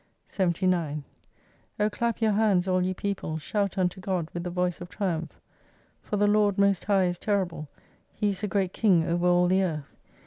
79 O clap your hands ^ all ye people^ shout unto God with the voice of triumph. For the Lord most high is terrible, He is a Great King over all the Earth.